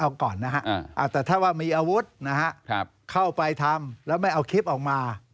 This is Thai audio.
เอาก่อนนะครับแต่ถ้ามีอาวุธเข้าไปทำแล้วไม่เอาคลิปออกมา